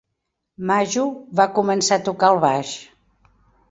"Maju" va començar a tocar el "baix".